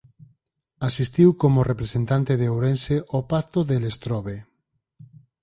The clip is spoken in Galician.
Asistiu como representante de Ourense ao Pacto de Lestrobe.